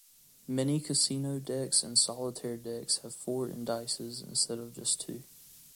Many casino decks and solitaire decks have four indices instead of just two.